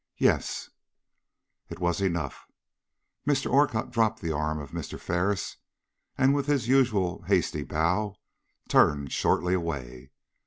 "Yes." It was enough. Mr. Orcutt dropped the arm of Mr. Ferris, and, with his usual hasty bow, turned shortly away.